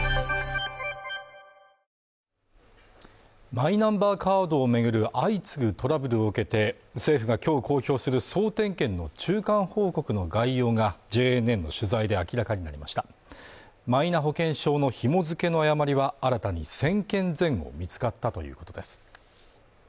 マイナンバーカードを巡る相次ぐトラブルを受けて政府がきょう公表する総点検の中間報告の概要がＪＮＮの取材で明らかになりましたマイナ保険証のひも付けの誤りは新たに１０００件前後見つかったということです